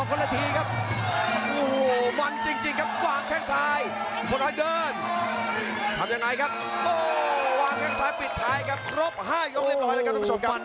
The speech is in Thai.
ครบ๕ย้องเรียบร้อยแล้วกันทุกผู้ชมครับ